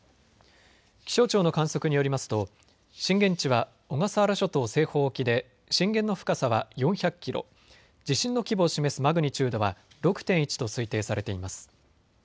気象庁の観測によりますと震源地は小笠原諸島西方沖で震源の深さは４００キロ、地震の規模を示すマグニチュードは６．１と推定されています。